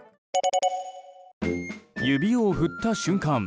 指を振った瞬間